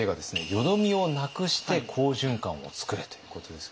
「淀みをなくして好循環をつくれ！」ということです。